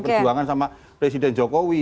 perjuangan sama presiden jokowi